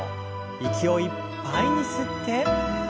息をいっぱいに吸って。